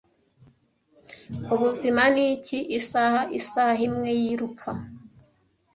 Ubuzima ni iki? Isaha-isaha imwe yiruka,